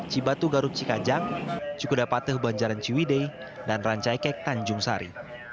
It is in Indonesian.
cibatu garut cikajang cukudapatuh banjaran ciwide dan rancaikek tanjung sari